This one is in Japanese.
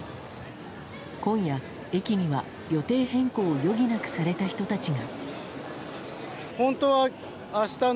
今夜、駅には予定変更を余儀なくされた人たちが。